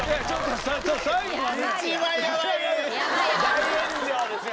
大炎上ですよ